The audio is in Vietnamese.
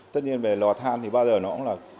tất nhiên về lò than thì bao giờ nó